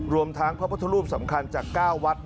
รวมทั้งพระพุทธรูปสำคัญจาก๙วัด